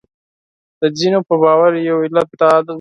د ځینو په باور یو علت دا وي.